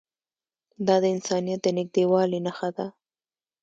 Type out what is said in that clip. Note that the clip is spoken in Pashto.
دا د انسانیت د نږدېوالي نښه ده.